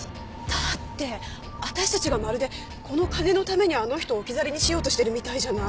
だって私たちがまるでこの金のためにあの人を置き去りにしようとしてるみたいじゃない。